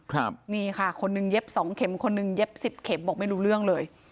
ครับนี่ค่ะคนหนึ่งเย็บสองเข็มคนหนึ่งเย็บสิบเข็มบอกไม่รู้เรื่องเลย